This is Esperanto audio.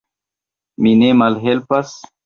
Mi ne malhelpas?